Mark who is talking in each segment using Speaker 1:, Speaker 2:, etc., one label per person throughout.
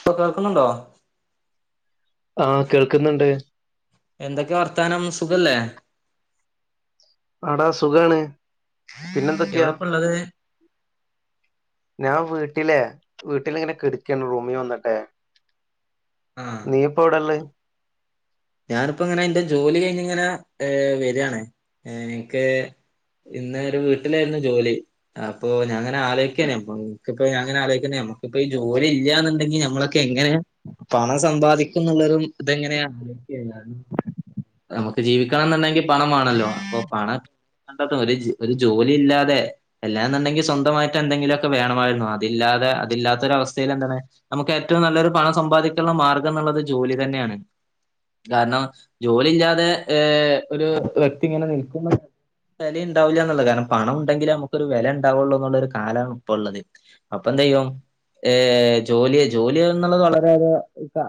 Speaker 1: ഇപ്പൊ കേൾക്കുന്നുണ്ടോ
Speaker 2: ആഹ് കേൾക്കുന്നുണ്ട്
Speaker 1: എന്തൊക്കെ വർത്താനം സുഖല്ലേ
Speaker 2: ആടാ സുഖാണ് പിന്നെന്തൊക്കെയാ
Speaker 1: എവിടെപ്പ ഉള്ളത്
Speaker 2: ഞാൻ വീട്ടിലെ വീട്ടിലിങ്ങനെ കെടുക്കാണ് റൂമിയോ വന്നിട്ടെ
Speaker 1: ആഹ്
Speaker 2: നീ ഇപ്പൊ എവിടേള്ളത്
Speaker 1: ഞാനിപ്പോ ഇങ്ങനെ എന്റെ ജോലി കഴിഞ്ഞ് ഇങ്ങനെ വരണേ എനിക്ക് ഇന്ന ഒരു വീട്ടിലായിരുന്നു ജോലി അപ്പൊ ഞങ്ങനെ ആലോിക്കനേക്കിപ്പോ ഞങ്ങനെ ആലോചിക്കന നമുക്കിപ്പ ഈ ജോലി ഇല്ലന്നുണ്ടെങ്കി നമ്മളൊക്കെ എങ്ങനെയാ പണം സമ്പാദിക്കും എന്നുള്ളും ഇതെങ്ങനെയാണ നമുക്ക് ജീവിക്കണം എന്നുണ്ടെങ്കിൽ പണം വേണല്ലോ അപ്പൊ പണം ഒരു ഒരു ജോലി ഇല്ലാതെ എല്ലാ എന്നുണ്ടെങ്കിൽ സ്വന്തമായിട്ട് എന്തെങ്കിലുമൊക്കെ വേണമായിരുന്നു അതില്ലാതെ അതെ അതില്ലാത്തൊര അവസ്ഥയിൽ എന്താണ് നമുക്ക് ഏറ്റവും നല്ലൊരു പണം സമ്പാദിക്കാനുള്ള മാർഗം എന്നുള്ളത് ജോലി തന്നെയാണ് കാരണം ജോലിയില്ലാതെ ഏർ ഒരു വ്യക്തി ഇങ്ങനെ നിൽക്കുന്നു വില ഉണ്ടാവില്ലന്നുള്ളത് കാരണം പണം ഉണ്ടെങ്കിലിൽ നമുക്കൊരു വെല ഉണ്ടാവുള്ളൂ എന്നുള്ള ഒരു കാലമാണ് ഇപ്പ ഉള്ളത് അപ്പ എന്താ ചെയ്യോ ഏ ജോലിയ ജോലി എന്നുള്ളത് വളരെയ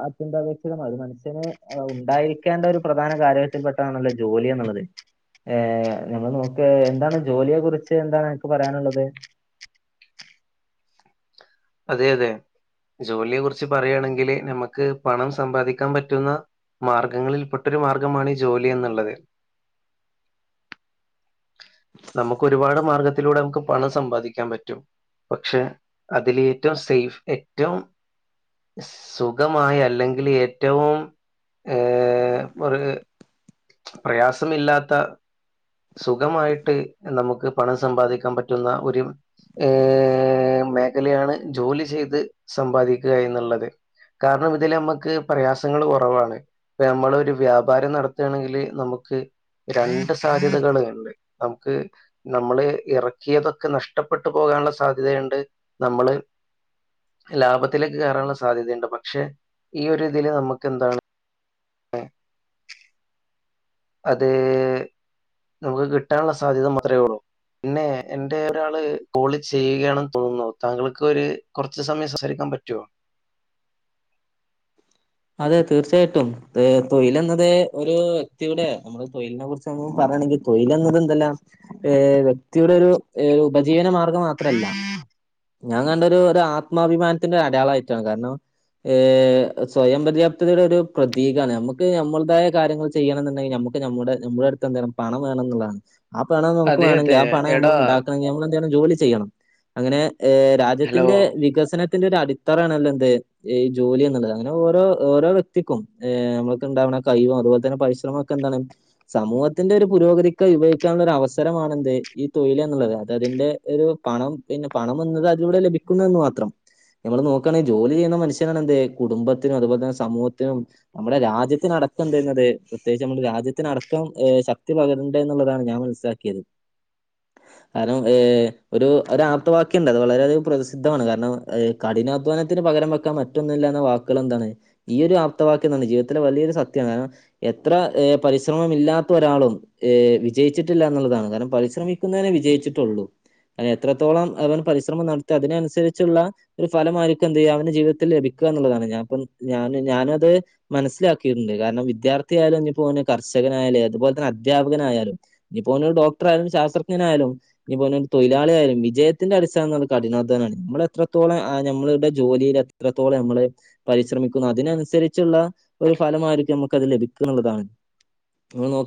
Speaker 1: അത്യന്താപേക്ഷിതമായി ഒരു മനുഷ്യന് അ ഉണ്ടായിരിക്കേണ്ട ഒരു പ്രധാന കാര്യത്തിൽ പെട്ടതാണല്ലോ ജോലി എന്നുള്ളത് ഏർ നമ്മൾ നോക്ക് എന്താണ് ജോലിയെ കുറിച്ച് എന്താണ് എനിക്ക് പറയാനുള്ളത്
Speaker 2: അതെ അതെ ജോലിയെ കുറിച്ച് പറയുകയാണെങ്കില് നമുക്ക് പണം സമ്പാദിക്കാൻ പറ്റുന്ന മാർഗങ്ങളിൽ പെട്ടൊരു മാർഗമാണ് ജോലി എന്നുള്ളത് നമുക്ക് ഒരുപാട് മാർഗത്തിലൂടെ നമുക്ക് പണം സമ്പാദിക്കാൻ പറ്റും പക്ഷെ അതിൽ ഏറ്റവും സേഫ് ഏറ്റവും സുഖമായി അല്ലെങ്കിൽ ഏറ്റവും ഏ ഒരു പ്രയാസമില്ലാത്ത സുഖമായിട്ട് നമുക്ക് പണം സമ്പാദിക്കാൻ പറ്റുന്ന ഒരു ഏ മേഖലയാണ് ജോലി ചെയ്ത് സമ്പാദിക്കുക എന്നുള്ളത് കാരണം ഇതില് നമ്മക്ക് പ്രയാസങ്ങള് കുറവാണ് നമ്മൾ ഒരു വ്യാപാരം നടത്തയാണെങ്കില് നമുക്ക് രണ്ട് സാധ്യതകൾ ഉണ്ട് നമുക്ക് നമ്മള് ഇറക്കിയതൊക്കെ നഷ്ടപ്പെട്ടു പോകാനുള്ള സാധ്യതയണ്ട് ണ്ട് നമ്മള് ലാഭത്തിലേക്ക് കയറാനുള്ള സാധ്യതയുണ്ട് പക്ഷെ ഒരി ഇതിൽ നമുക്ക് എന്താണ് ആ അതേ നമുക്ക് കിട്ടാനുള്ള സാധ്യത മാത്രമേ ഉള്ളു പിന്നെ എന്റെ ഒരാള് കോളി ചെയ്യുകയാണ തോന്നുന്നു താങ്കൾക്ക് ഒരു കുറച്ച സമയം സ [unintelligible] പറ്റോ
Speaker 1: അതെ തീർച്ചയായിട്ടും തൊഴിൽ എന്നത് ഒരു വ്യക്തിയൂടെ നമ്മള് തൊഴിലിനെ കുറിച്ചൊ പറ ണെങ്കിൽ തൊഴിൽ എന്നത് എന്തെല്ലാം ഏ വ്യക്തിയുടെ ഒരു ഉപജീവന മാർഗം മാത്രല്ല ഞാൻ കണ്ടരു ആത്മാഭിമാനത്തിന്റെ അടയാളമായിട്ടാണ് കാരണം ഏ സ്വയം പര്യാപ്തയുടെ ഒരു പ്രതീകമാണ് നമുക്ക് നമ്മുതായാ കാര്യങ്ങൾ ചെയ്യണംമെന്നുണ്ടെങ്കിൽ നമുക്ക് നമ്മുടെ നമ്മുടെ അടുത്ത് പണം വേണം എന്നുള്ളതാണ് ആ പണ നമുക്ക്
Speaker 2: അതെ,
Speaker 1: വേണെങ്കിൽ
Speaker 2: അതെ.
Speaker 1: ആ ആ പണം നമ്മൾ
Speaker 2: എടാ
Speaker 1: ഉണ്ടാക്കണെങ്കിൽ നമ്മൾ എന്തേലും ജോലി ചെയ്യണം അങ്ങനെ ഏഹ
Speaker 2: ഹലോ.
Speaker 1: രാജ്യത്തിന്റെ വികസനത്തിന്റെ ഒരു അടിത്തറാണല്ലോ എന്ത്ഈ ജോലി എന്നുള്ളതാണ് അങ്ങനെ ഓരോ ഓരോ വ്യക്തിക്കും നമുക്ക് ഉണ്ടാവുന്ന കൈയും അതുപോലെ തന്നെ പരിശ്രമം ഒക്കെ എന്താണ് സമ സമൂഹത്തിന്റെ ഒരു പുരോഗതിക്ക ഉപഭവിക്കാനുള്ള ഒരു അവസരമാണെന്ത് ഈ തൊഴിൽ എന്നുള്ളത് അത് അതിന്റെ ഒരു പണം പിന്നെ പണം വന്നത് അതിലൂടെ ലഭിക്കുന്നന്ന് മാത്രം നമ്മൾ നോക്കുകയാണെങ്കിൽ ജോലി ചെയ്യുന്ന മനുഷ്യനാണ് എന്തേ കുടുംബത്തിനും അതുപോലെ തന്നെ സമൂഹത്തിനും നമ്മുടെ രാജ്യത്തിനടക്കം എന്തുന്നത് പ്രത്യേകിച്ച് നമ്മുടെ രാജ്യത്തിനടക്കം ശക്തി പകരണ്ട എന്നുള്ളതാണ് ഞാൻ മനസ്സിലാക്കിയത് കാരണം ഏ ഒരു ഒ ആപ്ത്തവാക്യുണ്ട് അത് വളരെയധികം പ്രസിദ്ധമാണ് കാരണം കിഠിനാധ്വാനത്തിന് പകര വെക്കാൻ മറ്റൊന്നില്ല വാക്കുകൾ എന്താണ് ഈ ഒരു ആപ്തവാ എന്താണ് ജീവിതത്തില വലിയൊരു സത്യ കാരണം എത്ര പരിശ്രമം ഇല്ലാത്ത ഒരാളും വിജയിച്ചിട്ടില്ല എന്നുള്ളതാണ് കാരണം പരിശ്രമിക്കുന്നതിനെ വിജയിച്ചിട്ടുള്ളൂ അയ്ന് എത്രത്തോളം അവൻ പരിശ്രമം നടത്തിയ അതിനനുസരിച്ചുള്ള ഒരു ഫലമായിരിക്കും എന്ത് ചെയ്യുക അവന്റെ ജീവിതത്തിൽ ലഭിക്കും ള്ളതാണ്ഞ ഞാനത് മനസ്സിലാക്കിയിട്ടുണ്ട് കാരണം വിദ്യാർത്ഥിയായാല ഒ പോ [unintelligible] യാലും, അതുപോലെ തന്ന അധ്യപകനായാലും, ഇനി പോ ഡോക്ടറായാലും, ശാസ്ത്രജഞനായാലും, ഇ പോ തൊഴ മളാലും വിജയത്തിന്റെ അടിസ്ഥാനം എന്നുള്ള കഠിനാധ്യാനമാണ് നമ്മൾ എത്രത്തോളം ആ നമ്മുടെ ജോലിൽ എ ഇപ്പോളെ നമ്മളള് പരിശ്രമിക്കുന്നു അതിനനുസരിച്ചുള്ള ഒരു ഫലമായിരിക്കും നമുക്ക് അത് ലഭിക്കുംള്ളതാണ് [unintelligible]